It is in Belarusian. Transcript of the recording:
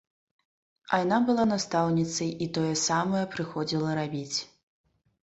А яна была настаўніцай і тое самае прыходзіла рабіць.